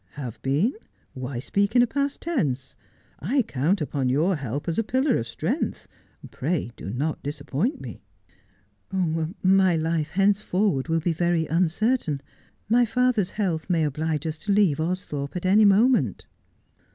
Have been 1 "Why speak in a past tense ? I count upon your help as a pillar of strength. Pray do not disappoint me.' ' My life henceforward will be very uncertain. My father's health may oblige us to leave Austhorpe at any moment.'